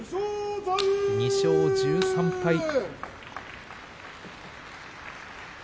２勝１３敗。